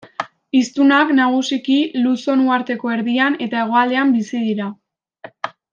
Hiztunak nagusiki Luzon uharteko erdian eta hegoaldean bizi dira.